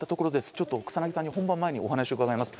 ちょっと草さんに本番前にお話を伺います。